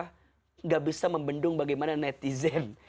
tidak bisa membendung bagaimana netizen